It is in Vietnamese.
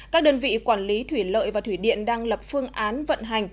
các đơn vị quản lý thủy lợi và thủy điện đang lập phương án vận hành